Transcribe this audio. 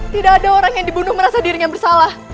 tidak ada orang yang dibunuh merasa dirinya bersalah